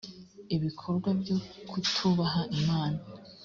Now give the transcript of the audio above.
ibikorwa byo kutubaha imana